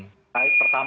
jadi mencari perhatian